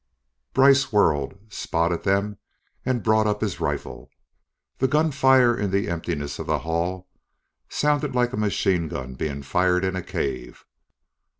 Brice whirled, spotted them, and brought up his rifle. The gunfire, in the emptiness of the hall, sounded like a machinegun being fired in a cave.